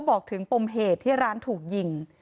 บอกถึงปมเหตุที่ร้านถูกยิง